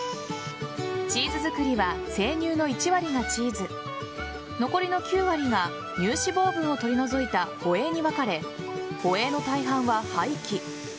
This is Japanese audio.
チーズ作りは生乳の１割がチーズ残りの９割が乳脂肪分を取り除いたホエーに分かれホエーの大半は廃棄。